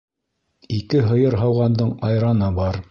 Ике һыйыр һауғандың айраны бар